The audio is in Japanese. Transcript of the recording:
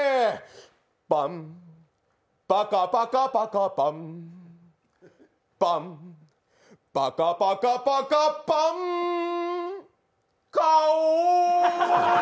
パン、パカパカパンパン、パカパカパカパン顔。